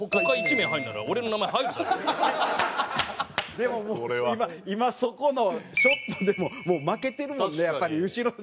でももう今そこのショットでももう負けてるもんねやっぱり後ろの。